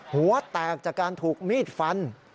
หัวแตกจากการถูกมีดฟัน